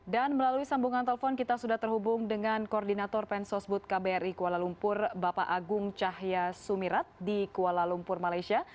dan melalui sambungan telepon kita sudah terhubung dengan koordinator pensosbud kbri kuala lumpur bapak agung cahya sumirat di kuala lumpur malaysia